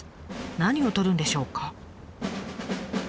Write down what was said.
何をとるんでしょうか？